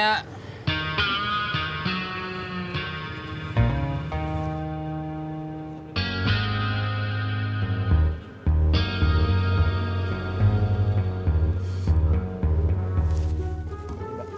masa anda raya tidak berusaha ya